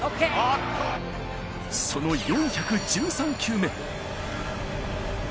その４１３球目。